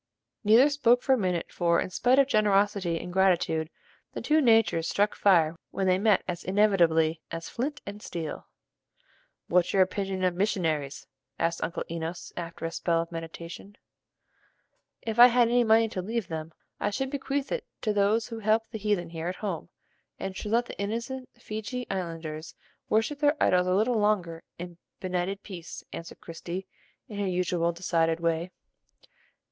Neither spoke for a minute; for, in spite of generosity and gratitude, the two natures struck fire when they met as inevitably as flint and steel. "What's your opinion of missionaries," asked Uncle Enos, after a spell of meditation. "If I had any money to leave them, I should bequeath it to those who help the heathen here at home, and should let the innocent Feejee Islanders worship their idols a little longer in benighted peace," answered Christie, in her usual decided way.